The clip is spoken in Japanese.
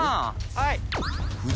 はい。